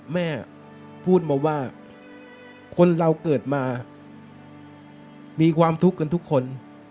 แม่พูดมาว่าคนเราเกิดมามีความทุกข์กันทุกคน